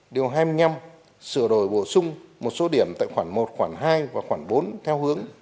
điều hai mươi năm sửa đổi bổ sung một số điểm tại khoản một khoản hai và khoảng bốn theo hướng